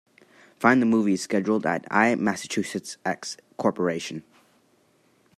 Find the movie schedule at IMassachusettsX Corporation.